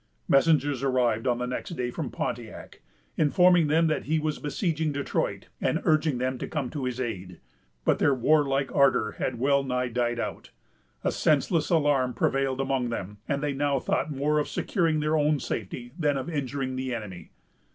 Messengers arrived on the next day from Pontiac, informing them that he was besieging Detroit, and urging them to come to his aid. But their warlike ardor had well nigh died out. A senseless alarm prevailed among them, and they now thought more of securing their own safety than of injuring the enemy.